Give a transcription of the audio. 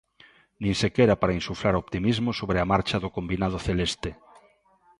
Nin sequera para insuflar optimismo sobre a marcha do combinado celeste.